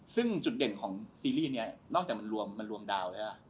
ซึ่งจุดเด่นของซีรีส์นี้นอกจากมันรวมดาวน์